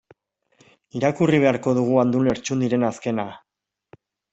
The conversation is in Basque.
Irakurri beharko dugu Andu Lertxundiren azkena.